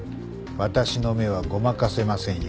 私の目はごまかせませんよ。